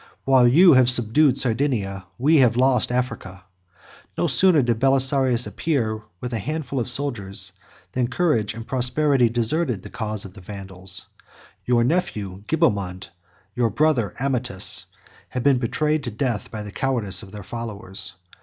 While you have subdued Sardinia, we have lost Africa. No sooner did Belisarius appear with a handful of soldiers, than courage and prosperity deserted the cause of the Vandals. Your nephew Gibamund, your brother Ammatas, have been betrayed to death by the cowardice of their followers.